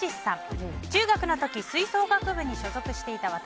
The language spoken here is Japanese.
中学の時吹奏楽部に所属していた私。